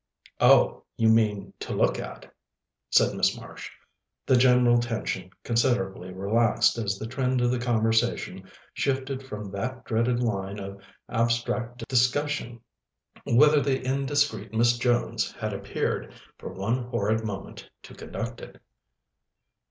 "Oh, you mean to look at," said Miss Marsh, the general tension considerably relaxed as the trend of the conversation shifted from that dreaded line of abstract discussion whither the indiscreet Miss Jones had appeared, for one horrid moment, to conduct it.